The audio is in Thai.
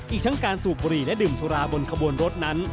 อีกทั้งการสูบบุหรี่และดื่มสุราบนขบวนรถนั้น